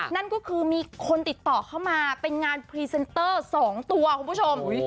นั่นก็คือมีคนติดต่อเข้ามาเป็นงานพรีเซนเตอร์๒ตัวคุณผู้ชม